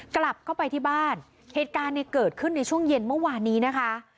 กลับเข้าไปที่บ้านเหตุการณ์เนี่ยเกิดขึ้นในช่วงเย็นเมื่อวานนี้นะคะ